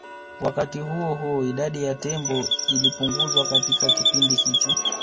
Wakati huo huo idadi ya tembo ilipunguzwa katika kipindi hicho